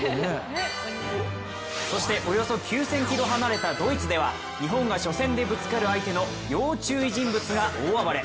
そしておよそ９０００ｋｍ離れたドイツでは、日本が初戦でぶつかる相手の要注意人物が大暴れ。